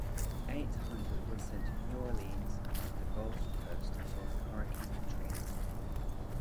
Eight hundred were sent to New Orleans and the Gulf Coast following Hurricane Katrina.